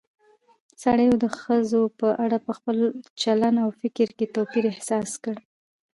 سړيو د ښځو په اړه په خپل چلن او فکر کې توپير احساس کړى